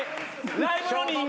ライブの人間。